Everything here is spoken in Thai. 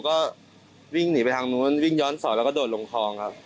ก็วิ่งหนีไปทางนู้นวิ่งย้อนสอนแล้วก็โดดลงคลองครับ